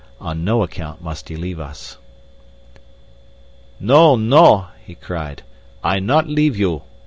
On no account must he leave us. "No no!" he cried. "I not leave you.